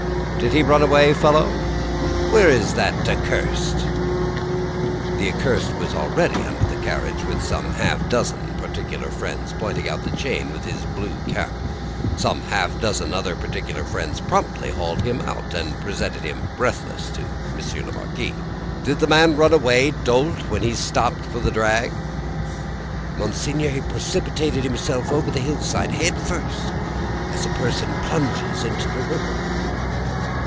"Did he run away, fellow? where is that Accursed?" The accursed was already under the carriage with some half dozen particular friends, pointing out the chain with his blue cap. Some half dozen other particular friends promptly hauled him out, and presented him breathless to Monsieur the Marquis. "Did the man run away, Dolt, when we stopped for the drag?" "Monseigneur, he precipitated himself over the hill side, head first, as a person plunges into the river."